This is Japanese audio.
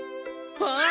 あっ！